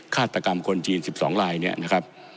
ฆาตกรรมคนจีน๑๒ลายเนี่ยนะครับ